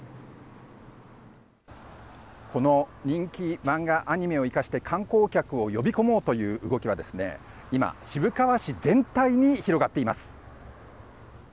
この人気漫画アニメを生かして、観光客を呼び込もうという動きは、今、渋川市全体に広がっています。